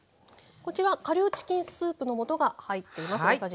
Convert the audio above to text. こちら顆粒チキンスープの素が入っています。